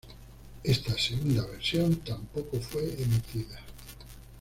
Esta segunda versión tampoco fue emitida.